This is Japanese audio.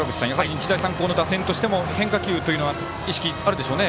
日大三高の打線としても変化球というのは意識あるでしょうね。